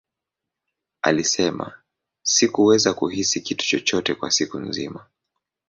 Alisema, Sikuweza kuhisi kitu chochote kwa siku nzima.